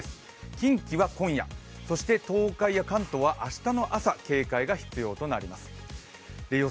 近畿は今夜、東海や関東は明日の朝、警戒が必要となります。